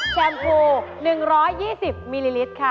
แชมพู๑๒๐มิลลิลิตรค่ะ